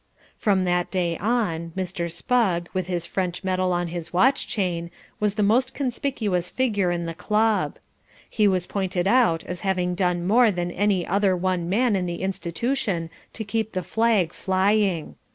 From that day on, Mr. Spugg, with his French medal on his watch chain, was the most conspicuous figure in the club. He was pointed out as having done more than any other one man in the institution to keep the flag flying.